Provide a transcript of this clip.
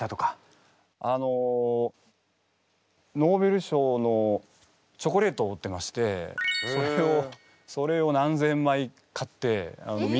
あのノーベル賞のチョコレートを売ってましてそれを何千枚買ってみんなに。